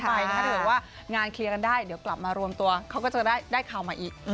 ถ้าเกิดว่างานเคลียร์กันได้เดี๋ยวกลับมารวมตัวเขาก็จะได้ข่าวใหม่อีก